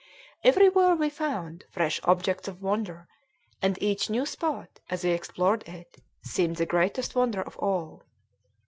Everywhere we found fresh objects of wonder, and each new spot, as we explored it, seemed the greatest wonder of all.